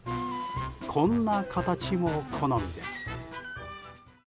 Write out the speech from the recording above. こんな形も好みです。